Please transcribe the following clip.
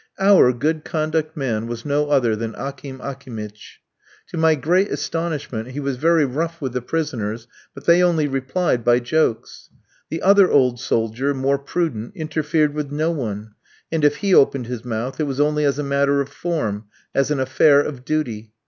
Our good conduct man was no other than Akim Akimitch. To my great astonishment, he was very rough with the prisoners, but they only replied by jokes. The other old soldier, more prudent, interfered with no one, and if he opened his mouth, it was only as a matter of form, as an affair of duty.